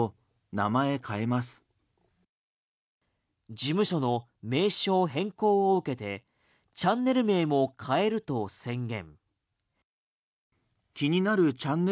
事務所の名称変更を受けてチャンネル名も変えると宣言。